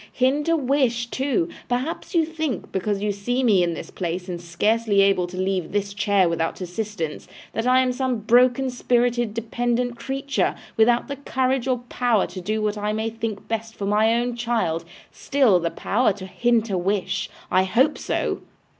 Hint a wish, too! Perhaps you think, because you see me in this place and scarcely able to leave this chair without assistance, that I am some broken spirited dependent creature, without the courage or power to do what I may think best for my own child. Still the power to hint a wish! I hope so!